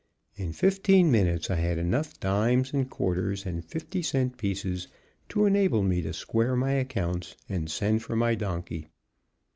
In fifteen minutes I had enough dimes and quarters and fifty cent pieces to enable me to square my accounts and send for my donkey.